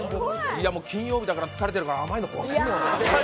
金曜日だから疲れてるから甘いの欲しいよな。